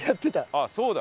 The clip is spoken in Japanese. あっそうだ。